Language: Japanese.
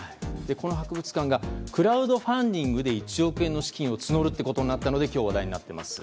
この博物館がクラウドファンディングで１億円の資金を募るということになったので今日、話題になったんです。